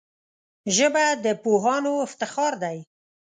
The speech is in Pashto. ژبه د پوهانو افتخار دی